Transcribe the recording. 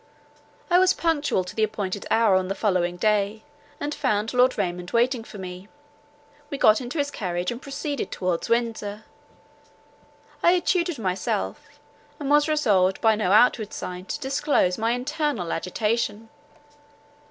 I was punctual to the appointed hour on the following day, and found Lord Raymond waiting for me. We got into his carriage, and proceeded towards Windsor. I had tutored myself, and was resolved by no outward sign to disclose my internal agitation.